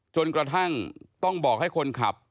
จนกระทั่งต้องบอกให้คนขับ